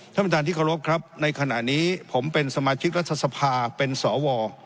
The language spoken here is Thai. ท่านประธานที่เคารพครับในขณะนี้ผมเป็นสมาชิกรัฐสภาเป็นสว